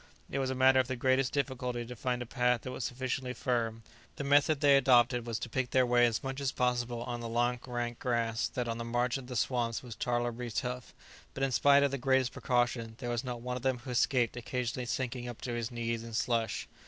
It was a matter of the greatest difficulty to find a path that was sufficiently firm; the method they adopted was to pick their way as much as possible on the long rank grass that on the margin of the swamps was tolerably tough; but in spite of the greatest precaution, there was not one of them who escaped occasionally sinking up to his knees in slush.